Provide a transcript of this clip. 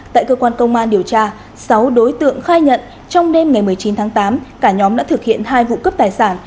tại cơ quan công an điều tra sáu đối tượng khai nhận trong đêm ngày một mươi chín tháng tám cả nhóm đã thực hiện hai vụ cướp tài sản